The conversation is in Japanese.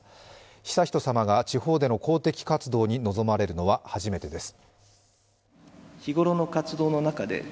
悠仁さまが地方での公的活動に臨まれるのは初めてです。